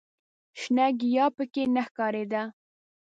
شنه ګیاه په کې نه ښکارېده.